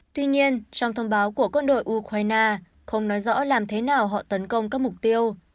tuy nhiên trong thông báo của quân đội ukraine không nói rõ làm thế nào họ tấn công các mục tiêu